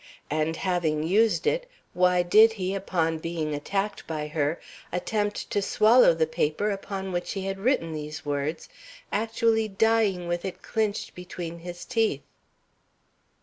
And having used it, why did he, upon being attacked by her, attempt to swallow the paper upon which he had written these words, actually dying with it clinched between his teeth?